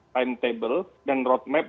timetable dan roadmap